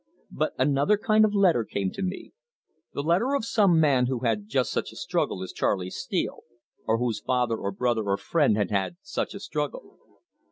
But another kind of letter came to me the letter of some man who had just such a struggle as Charley Steele, or whose father or brother or friend had had such a struggle.